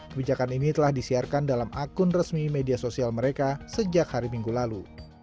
kebijakan ini telah disiarkan dalam akun resmi media sosial mereka sejak hari minggu lalu